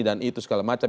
dan itu segala macam